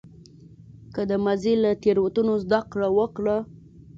که د ماضي له تېروتنو زده کړه وکړه.